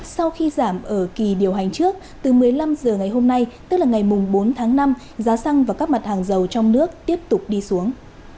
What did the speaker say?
sau khi giảm ở kỳ điều hành trước từ một mươi năm h ngày hôm nay tức là ngày bốn tháng năm giá xăng và các mặt hàng dầu trong nước tiếp tục đi xuống